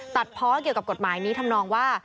เพาะเกี่ยวกับกฎหมายนี้ทำนองว่า